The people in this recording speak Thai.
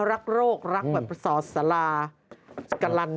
รักโรครักแบบประสอสลากรัน